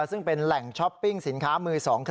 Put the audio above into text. ซึ่งเป็นแหล่งช้อปปิ้งสินค้ามือ๒